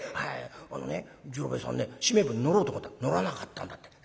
あのね次郎兵衛さんねしめえ舟に乗ろうと思ったら乗らなかったんだって。